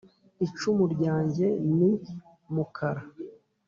icumu ryanjye ni mukara